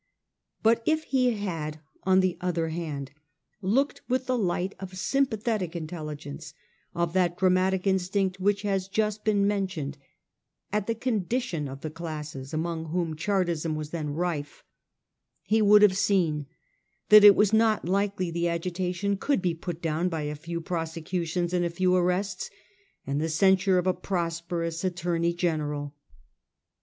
But if he had, on the other hand, looked with the light of sympathetic intelligence, of that dramatic instinct which has just been mentioned, at the condition of the classes among whom Chartism was then rife, he would have seen that it was not likely the agitation could be put down by a few prosecutions and a few arrests, and the censure of a prosperous Attorney General.